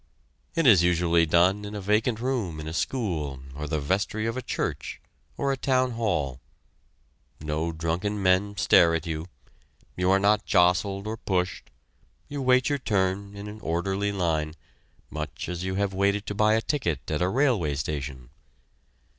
It is usually done in a vacant room in a school or the vestry of a church, or a town hall. No drunken men stare at you. You are not jostled or pushed you wait your turn in an orderly line, much as you have waited to buy a ticket at a railway station.